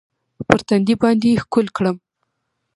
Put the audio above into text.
پر تندي باندې يې ښکل کړم.